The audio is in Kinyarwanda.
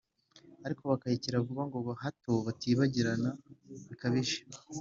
ariko bakayikira vuba, ngo hato batibagirana bikabije,